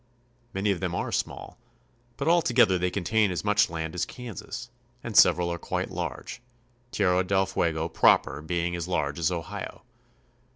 Many of them are small, but all together they contain as much land as Kansas, and sev eral are quite large, Tierra del Fuego proper being as large as Ohio.